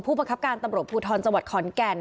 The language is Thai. ประคับการตำรวจภูทรจังหวัดขอนแก่น